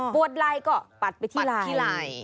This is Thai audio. ปวดลายก็ปัดไปที่ลาย